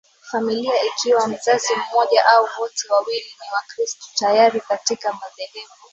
familia ikiwa mzazi mmoja au wote wawili ni Wakristo tayari Katika madhehebu